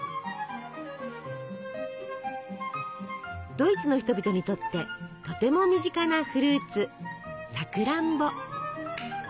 ドイツの人々にとってとても身近なフルーツさくらんぼ。